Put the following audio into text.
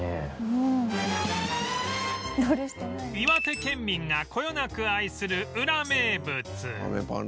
岩手県民がこよなく愛するウラ名物